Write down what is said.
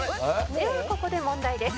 「ではここで問題です」